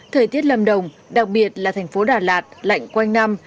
thời tiết lâm đồng đặc biệt là thành phố đà lạt lạnh quanh năm